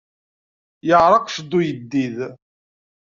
Yeɛṛeq cced uyeddid!